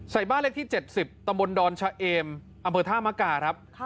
ใส่บ้านเลขที่เจ็ดสิบตำบลดอนชาเอมอำเภอธามกาครับค่ะ